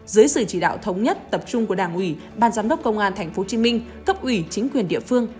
dưới sự chỉ đạo thống nhất tập trung của đảng ủy ban giám đốc công an tp hcm cấp ủy chính quyền địa phương